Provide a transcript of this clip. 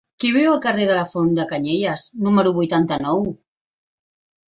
Qui viu al carrer de la Font de Canyelles número vuitanta-nou?